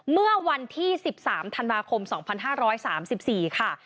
เมื่อวันที่๑๓ธันวาคม๒๕๓๔ค่ะ